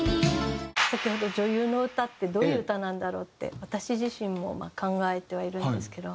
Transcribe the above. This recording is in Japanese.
先ほど女優の歌ってどういう歌なんだろう？って私自身も考えてはいるんですけど。